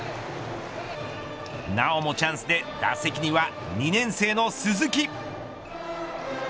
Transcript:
なおもチャンスで、打席には２年生の鈴木。